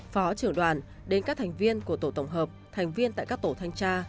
phó trưởng đoàn đến các thành viên của tổ tổng hợp thành viên tại các tổ thanh tra